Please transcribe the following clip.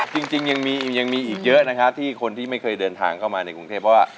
จริงยังมีอีกเยอะนะครับที่คนที่ไม่เคยเดินทางเข้ามาในกรุงเทพเพราะว่า